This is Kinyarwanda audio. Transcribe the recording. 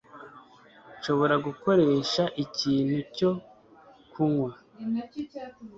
Nshobora gukoresha ikintu cyo kunywa